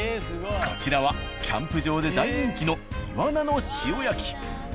こちらはキャンプ場で大人気のイワナの塩焼き。